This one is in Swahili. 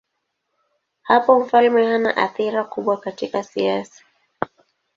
Hapo mfalme hana athira kubwa katika siasa.